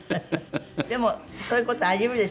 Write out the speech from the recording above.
でもそういう事あり得るでしょ。